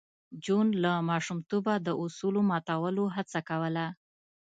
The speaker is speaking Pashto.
جون له ماشومتوبه د اصولو ماتولو هڅه کوله